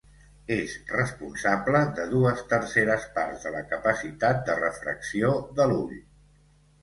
És responsable de dues terceres parts de la capacitat de refracció de l'ull.